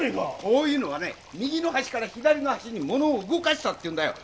こういうのはね右の端から左の端に物を動かしたっていうんだよ。